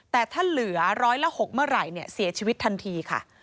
แต่ถ้าเหลือร้อยละ๖เมื่อไหร่เสียชีวิตทันทีค่ะ